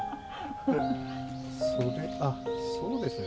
それあそうですね。